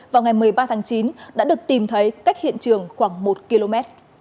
vào ngày một mươi ba tháng chín đã được tìm thấy cách hiện trường khoảng một km